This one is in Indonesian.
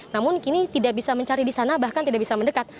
namun kini tidak bisa mencari di sana bahkan tidak bisa mendekat